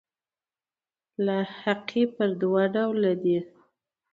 لاحقې پر دوه ډوله دي.